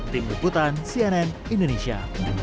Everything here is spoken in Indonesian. tim dukutan cnn indonesia